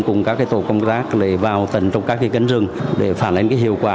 cùng các cái tổ công tác để vào tầng trong các cái cánh rừng để phản ánh cái hiệu quả